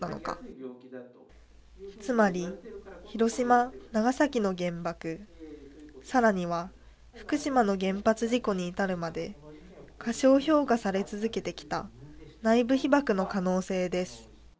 つまり広島長崎の原爆更には福島の原発事故に至るまで過小評価され続けてきた内部被曝の可能性です。